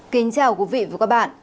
kính chào quý vị và các bạn